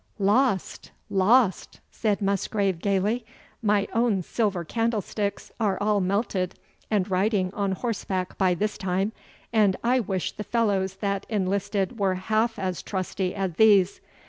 "Lost; lost," said Musgrave, gaily "my own silver candlesticks are all melted and riding on horseback by this time, and I wish the fellows that enlisted were half as trusty as these.